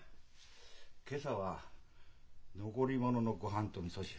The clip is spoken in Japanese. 今朝は残り物の御飯とみそ汁。